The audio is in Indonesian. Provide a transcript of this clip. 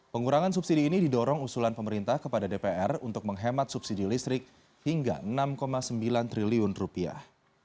pengurangan subsidi ini didorong usulan pemerintah kepada dpr untuk menghemat subsidi listrik hingga enam sembilan triliun rupiah